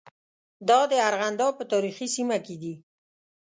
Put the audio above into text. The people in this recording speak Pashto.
دا د ارغنداب په تاریخي سیمه کې دي.